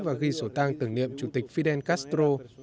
và ghi sổ tăng tưởng niệm chủ tịch fidel castro